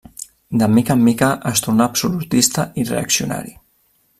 De mica en mica es tornà absolutista i reaccionari.